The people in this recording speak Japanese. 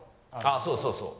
そうそうそう。